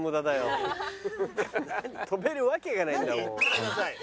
跳べるわけがないんだもん。